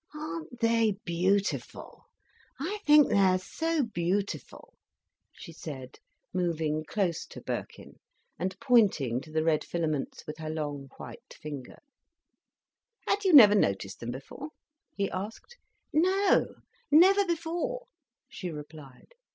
"Aren't they beautiful? I think they're so beautiful," she said, moving close to Birkin, and pointing to the red filaments with her long, white finger. "Had you never noticed them before?" he asked. "No, never before," she replied.